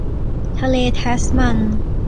ทะเลแทสมัน